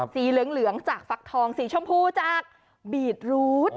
สีเหลืองจากฟักทองสีชมพูจากบีดรูด